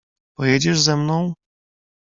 "Pojedziesz ze mną?"